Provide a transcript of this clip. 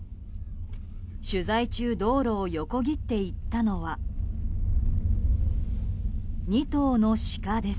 取材中、道路を横切っていったのは２頭の鹿です。